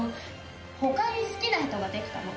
他に好きな人ができたの。